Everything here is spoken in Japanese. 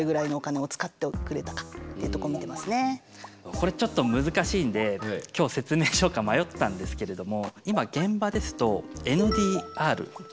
これちょっと難しいんで今日説明しようか迷ったんですけれども今現場ですとＮＤＲ売上継続率。